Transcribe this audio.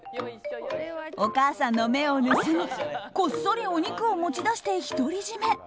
お母さんの目を盗みこっそり、お肉を持ち出して独り占め。